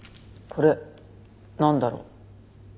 これなんだろう？